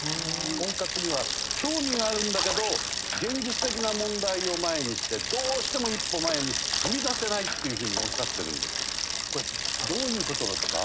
婚活には興味があるんだけど現実的な問題を前にしてどうしても一歩前に踏み出せないというふうにおっしゃってるんですがこれどういう事ですか？